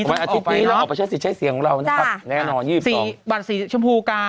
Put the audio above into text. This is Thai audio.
อาทิตย์ฟรีเราออกไปใช้เสียงของเรานะครับแน่นอนสี่สามสองสี่บาทสีชาวโพว์กา